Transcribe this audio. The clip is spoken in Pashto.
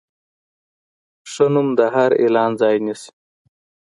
ښه نوم د هر اعلان ځای نیسي.